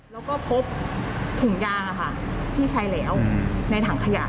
แล้วก็พบถุงยางที่ใช้แล้วในถังขยะ